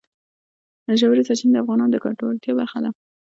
ژورې سرچینې د افغانانو د ګټورتیا برخه ده.